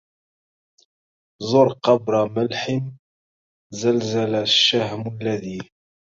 زر قبر ملحم زلزل الشهم الذي